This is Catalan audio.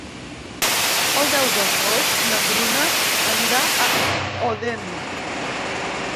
El deu d'agost na Bruna anirà a Odèn.